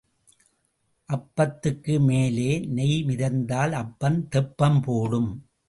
அப்பத்துக்கு மேலே நெய் மிதந்தால் அப்பம் தெப்பம் போடும்.